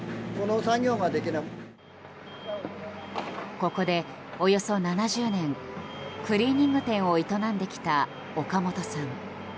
ここでおよそ７０年クリーニング店を営んできた岡本さん。